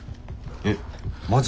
えっマジ？